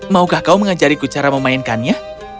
maukah kau mengajariku cara memainkannya